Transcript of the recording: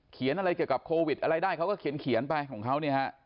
อะไรเกี่ยวกับโควิดอะไรได้เขาก็เขียนไปของเขาเนี่ยฮะ